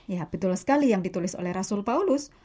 ya betul sekali yang ditulis oleh rasul paulus